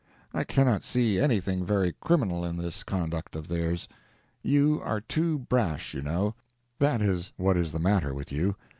I cannot see anything very criminal in this conduct of theirs. You are too brash, you know—that is what is the matter with you.